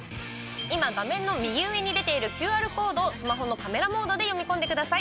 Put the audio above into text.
今画面の右上に出ているＱＲコードをスマホのカメラモードで読み込んでください。